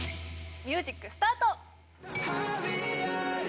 ミュージックスタート！